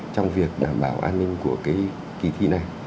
trong việc đảm bảo an ninh của kỳ thi này